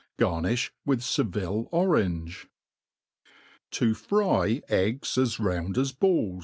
Garoiih with Seville orange; To fry Eggs as round as Balb.